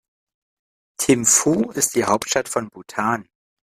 Thimphu ist die Hauptstadt von Bhutan.